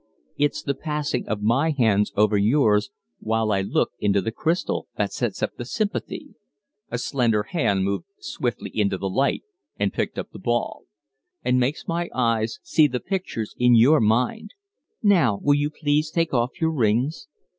"It's the passing of my hands over yours, while I look into the crystal, that sets up sympathy" a slender hand moved swiftly into the light and picked up the ball "and makes my eyes see the pictures in your mind. Now, will you please take off your rings?"